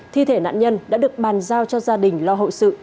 thi thể nạn nhân đã được bàn giao cho gia đình lo hậu sự